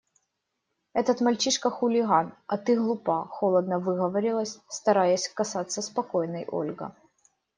Этот мальчишка – хулиган, а ты глупа, – холодно выговаривала, стараясь казаться спокойной, Ольга.